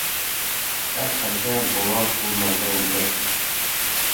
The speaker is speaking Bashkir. — Һәр хәлдә, болан ул мәлдә үлмәй.